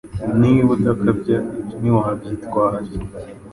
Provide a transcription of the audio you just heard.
Niba udakabya ibyo ntiwabyitwaza.